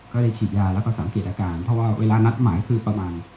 ก็เลยฉีดยาแล้วก็สังเกตอาการเพราะว่าเวลานัดหมายคือประมาณ